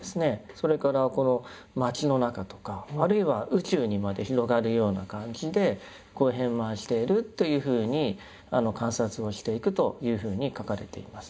それから町の中とかあるいは宇宙にまで広がるような感じで遍満しているというふうに観察をしていくというふうに書かれています。